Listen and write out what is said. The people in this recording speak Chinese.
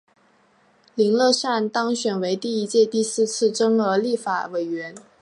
林乐善当选为第一届第四次增额立法委员。